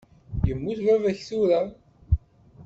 Yemmut baba-k tura.